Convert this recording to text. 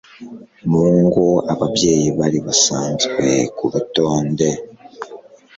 mu ngo ababyeyi bari basanzwe ku rutonde